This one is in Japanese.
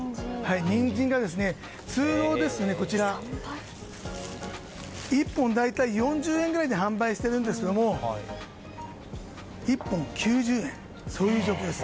ニンジンが通常ですと１本、大体４０円ぐらいで販売しているんですけれども１本９０円、そういう状況です。